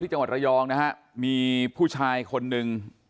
จังหวัดระยองนะฮะมีผู้ชายคนหนึ่ง